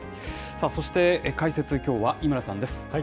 さあそして、解説、きょうは井村さんです。